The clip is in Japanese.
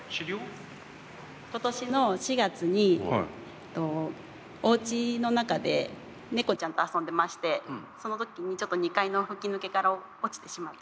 今年の４月におうちの中で猫ちゃんと遊んでましてその時に２階の吹き抜けから落ちてしまって。